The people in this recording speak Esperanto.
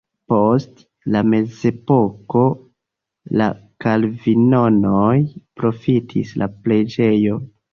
Post la mezepoko la kalvinanoj profitis la preĝejon.